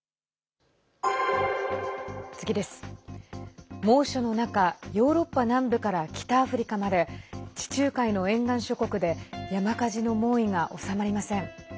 次です、猛暑の中ヨーロッパ南部から北アフリカまで地中海の沿岸諸国で山火事の猛威が収まりません。